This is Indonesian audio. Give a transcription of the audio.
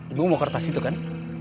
ibu mau kertas itu kan